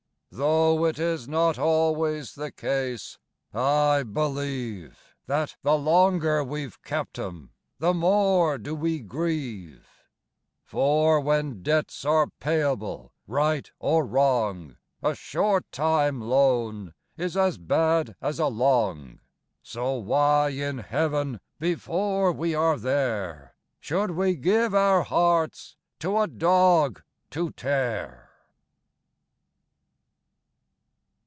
Though it is not always the case, I believe, That the longer we've kept 'em, the more do we grieve: For, when debts are payable, right or wrong, A short time loan is as bad as a long So why in Heaven (before we are there!) Should we give our hearts to a dog to tear?